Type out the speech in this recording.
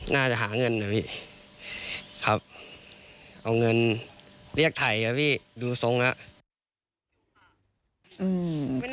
น่าจะหาเงินนะพี่ครับเอาเงินเรียกถ่ายครับพี่ดูทรงแล้ว